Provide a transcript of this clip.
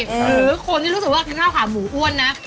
หรือคนที่รู้สึกว่ากินข้าวขาหมูอ้วนนะ